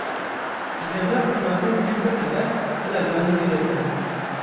Ji dêvla ku navê zilêm derkeve bila canê wî derkeve.